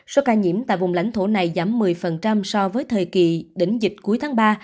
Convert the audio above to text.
số ca nhiễm tại vùng lãnh thổ này giảm một mươi so với thời kỳ đỉnh dịch cuối tháng ba